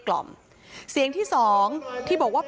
พ่ออยู่ข้างหน้าไหน